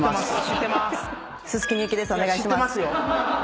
知ってますよ。